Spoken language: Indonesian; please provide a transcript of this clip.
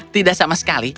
tidak sama sekali